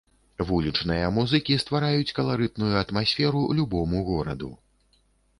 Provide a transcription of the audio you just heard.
Вулічныя музыкі ствараюць каларытную атмасферу любому гораду.